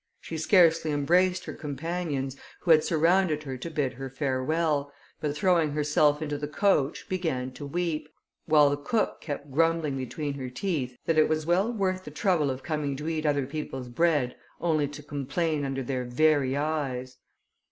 She scarcely embraced her companions, who had surrounded her to bid her farewell, but throwing herself into the coach began to weep, while the cook kept grumbling between her teeth, "that it was well worth the trouble of coming to eat other people's bread only to complain under their very eyes."